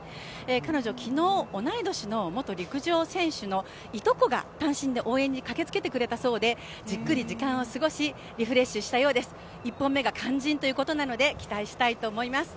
彼女、昨日、同い年の元陸上選手のいとこが単身で応援に駆けつけてくれたそうで、じっくり時間を過ごしリフレッシュしたようです、１本目が肝心なので期待したいと思います。